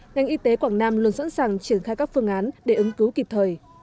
ngành y tế quảng nam luôn sẵn sàng triển khai các phương án để ứng cứu kịp thời